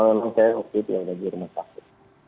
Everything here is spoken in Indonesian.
memang saya waktu itu ada di rumah sakit